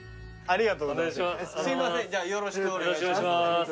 ありがとうございます。